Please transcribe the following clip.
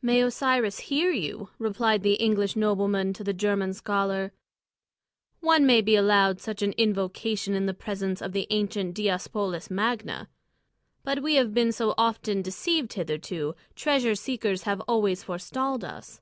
"May Osiris hear you!" replied the English nobleman to the German scholar. "One may be allowed such an invocation in the presence of the ancient Diospolis Magna. But we have been so often deceived hitherto; treasure seekers have always forestalled us."